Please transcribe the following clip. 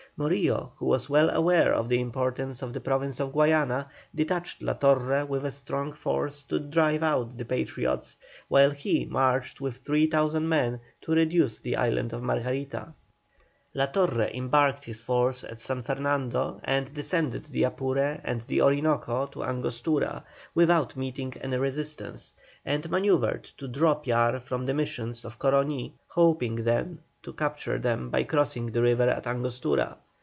Morillo, who was well aware of the importance of the Province of Guayana, detached La Torre with a strong force to drive out the Patriots, while he marched with 3,000 men to reduce the island of Margarita. La Torre embarked his force at San Fernando and descended the Apure and the Orinoco to Angostura, without meeting any resistance, and manœuvred to draw Piar from the Missions of Coroní, hoping then to capture them by crossing the river at Angostura.